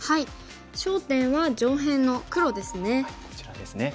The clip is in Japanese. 焦点は上辺の黒ですね。